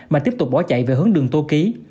mà tiếp tục bỏ chạy về hướng đường tô ký